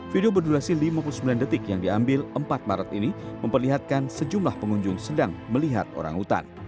video berdurasi lima puluh sembilan detik yang diambil empat maret ini memperlihatkan sejumlah pengunjung sedang melihat orang hutan